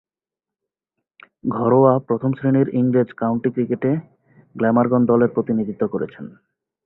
ঘরোয়া প্রথম-শ্রেণীর ইংরেজ কাউন্টি ক্রিকেটে গ্ল্যামারগন দলের প্রতিনিধিত্ব করেছেন।